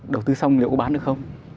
đầu tư xong liệu có bán được không